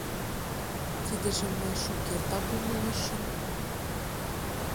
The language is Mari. Тидым мый шукертак умылышым...